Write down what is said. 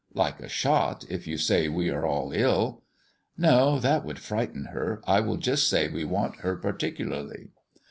"Like a shot, if you say we are all ill." "No, that would frighten her. I will just say we want her particularly."